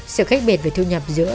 sự khác biệt về thu nhập giữa